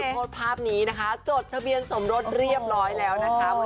โพสต์ภาพนี้นะคะจดทะเบียนสมรสเรียบร้อยแล้วนะคะ